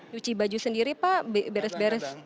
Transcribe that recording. cuci baju sendiri pak beres beres